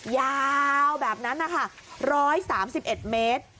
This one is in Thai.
ยาวแบบนั้นนะคะ๑๓๑เมตร